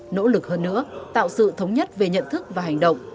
nỗ lực hơn nữa tạo sự thống nhất về nhận thức và hành động